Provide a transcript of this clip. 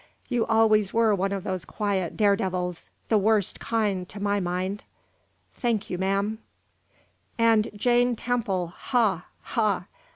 You always were one of those quiet dare devils the worst kind, to my mind." "Thank you, ma'am." "And Jane Temple ha! ha!"